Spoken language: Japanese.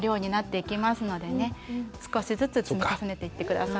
少しずつ積み重ねていって下さい。